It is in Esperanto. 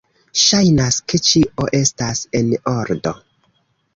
Ŝajnas ke ĉio estas en ordo.